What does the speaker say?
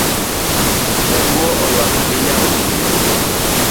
Jatuo oyuak ahinya otieno